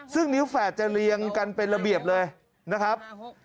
ซึ่งนิ้วแฝดจะเรียงกันเป็นระเบียบเลยนะครับ